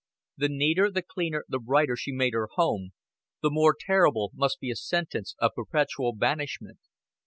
The neater, the cleaner, the brighter she made her home, the more terrible must be a sentence of perpetual banishment.